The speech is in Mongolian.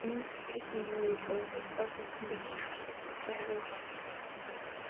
Энэ нь социалист нийгмийн үед буруутгаж, дорд үзэж байсан хандлагад өгсөн хариу үйлдэл юм.